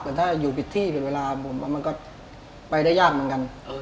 แต่ถ้าอยู่ผิดที่ผิดเวลาผมว่ามันก็ไปได้ยากเหมือนกัน